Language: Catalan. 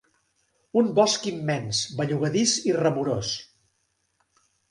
Un bosc immens, bellugadís i remorós